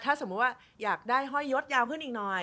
ถ้าสมมุติว่าอยากได้ห้อยยศยาวขึ้นอีกหน่อย